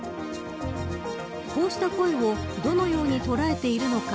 こうした声をどのように捉えているのか。